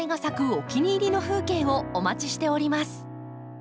お気に入りの風景をお待ちしております。